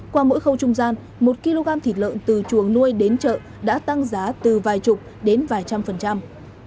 qua mỗi khâu trung gian một kg thịt lợn từ chuồng nuôi đến chợ đã tăng giá từ vài chục đến vài trăm phần trăm